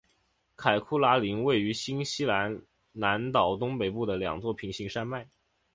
凯库拉岭位于新西兰南岛东北部的两座平行山脉。